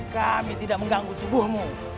kami tidak mengganggu tubuhmu